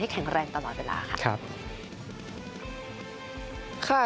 แข็งแรงตลอดเวลาค่ะ